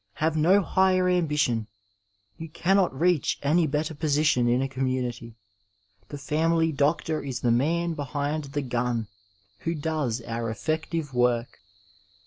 Have no higher ambition! You cannot reach any better position in a community ; the family doctor is the man behind the gun, who does our effective work.